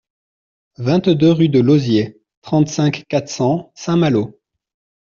vingt-deux rue de Lozier, trente-cinq, quatre cents, Saint-Malo